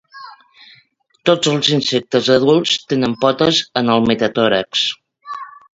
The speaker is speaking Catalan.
Tots els insectes adults tenen potes en el metatòrax.